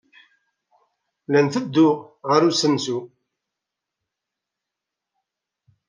La n-ttedduɣ ɣer usensu.